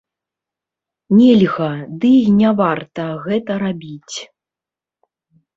Нельга, ды і не варта гэта рабіць.